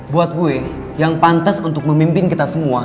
buat gue yang pantas untuk memimpin kita semua